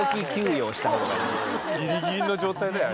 ギリギリの状態だよ